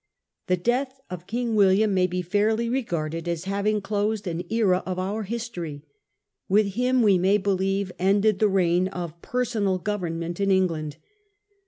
The death of King William may be fairly regarded as having closed an era of our history. With him, we may believe, ended the reign of personal government in England